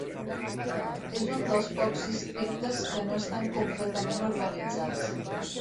És un dels pocs districtes que no estan completament urbanitzats.